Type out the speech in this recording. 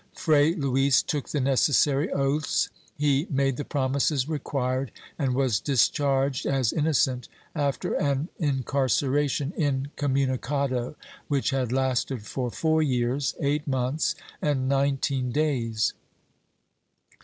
Fray Luis took the necessary oaths, he made the promises required, and was discharged as innocent after an incarceration, incomimicado, which had lasted for four years, eight months and nineteen days.